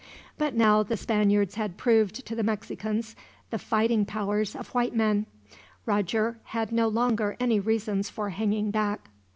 But now the Spaniards had proved to the Mexicans the fighting powers of white men, Roger had no longer any reasons for hanging back.